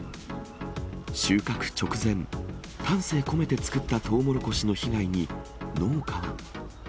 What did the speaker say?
収穫直前、丹精込めて作ったトウモロコシの被害に、農家は。